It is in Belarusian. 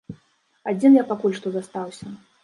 Адзін я пакуль што застаўся.